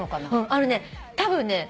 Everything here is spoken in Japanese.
あのねたぶんね。